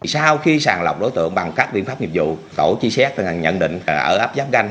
sau khi sàng lọc đối tượng bằng các biện pháp nhiệm vụ tổ truy xét đã nhận định ở ấp giáp ganh